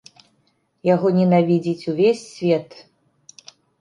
Яго ненавідзіць увесь свет.